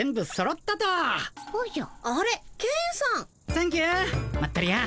サンキューまったり屋。